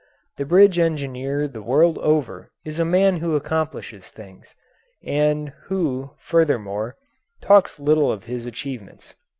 The bridge engineer the world over is a man who accomplishes things, and who, furthermore, talks little of his achievements.